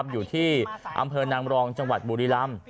อยู่ที่อำเภอนางรองจังหวัดบุรีรำ